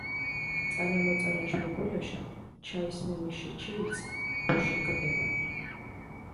წანამოწანაშ მუკულაშა ჩაისმენიში ჩილცჷ ბოშიქ ქჷდებადჷ.